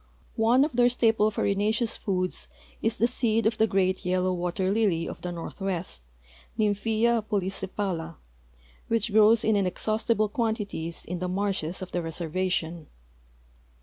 One of their staple farinaceous foods is the seed of the great yellow water lily of the northwest, Nymphaea polysepala, which grows in inexhaustible quantities in the marshes of the reservation.